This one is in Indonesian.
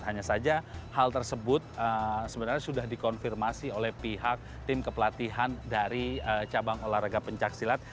hanya saja hal tersebut sebenarnya sudah dikonfirmasi oleh pihak tim kepelatihan dari cabang olahraga pencaksilat